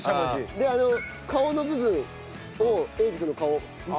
であの顔の部分を英二君の顔にして。